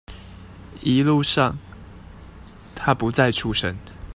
一路上他不再出聲